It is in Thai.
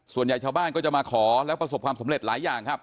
ส่วนใหญ่ชาวบ้านก็จะมาขอแล้วประสบความสำเร็จหลายอย่างครับ